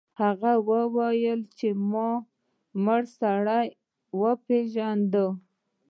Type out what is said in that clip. هغه وویل چې ما مړ سړی وپیژنده.